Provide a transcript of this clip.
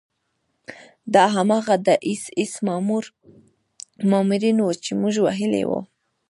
دا هماغه د اېس ایس مامورین وو چې موږ وهلي وو